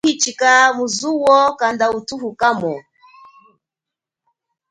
Nakuhichika muzu kanda uthuhu kamo.